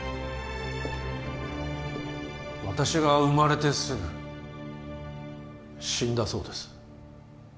私が生まれてすぐ死んだそうです